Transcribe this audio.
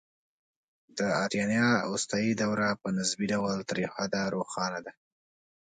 د آریانا اوستایي دوره په نسبي ډول تر یو حده روښانه ده